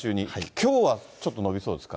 きょうはちょっと延びそうですか？